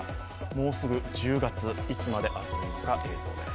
もうすぐ１０月、いつまで暑いのか映像です。